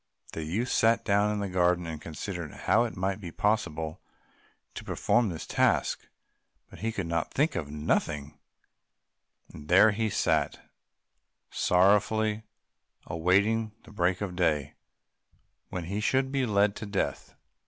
The youth sat down in the garden and considered how it might be possible to perform this task, but he could think of nothing, and there he sat sorrowfully awaiting the break of day, when he should be led to death.